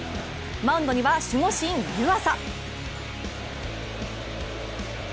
マウンドには守護神・湯浅。